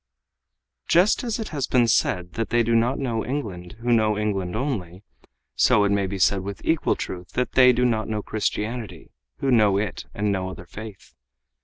Just as it has been said that they do not know England who know England only, so it may be said with equal truth that they do not know Christianity who know it and no other faith.